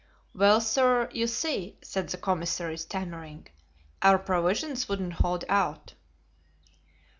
"Well, sir, you see," said the commissary, stammering, "our provisions wouldn't hold out."